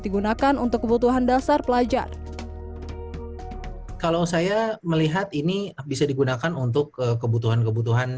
digunakan untuk kebutuhan dasar pelajar kalau saya melihat ini bisa digunakan untuk kebutuhan kebutuhan